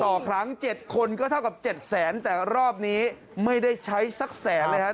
ครั้ง๗คนก็เท่ากับ๗แสนแต่รอบนี้ไม่ได้ใช้สักแสนเลยครับ